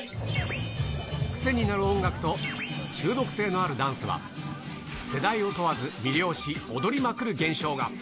癖になる音楽と、中毒性のあるダンスは、世代を問わず、魅了し、踊りまくる現象が。